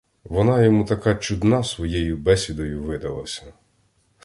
Вона йому така чудна своєю бесідою видалася.